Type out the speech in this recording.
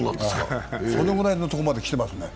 そのくらいにところまできてますね。